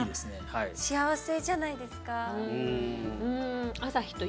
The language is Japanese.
幸せじゃないですか。